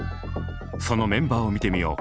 そのメンバーを見てみよう。